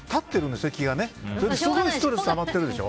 すごいストレスがたまってるでしょ。